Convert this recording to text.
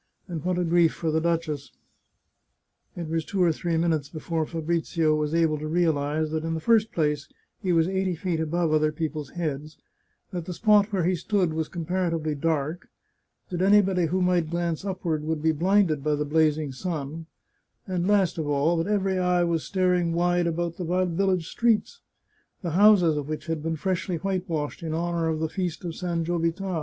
And what a grief for the duchess !" It was two or three minutes before Fabrizio was able to realize that, in the first place, he was eighty feet above other people's heads, that the spot where he stood was compara tively dark, that anybody who might glance upward would be blinded by the blazing sun, and, last of all, that every eye was staring wide about the village streets, the houses of which had been freshly whitewashed in honour of the feast of San Giovita.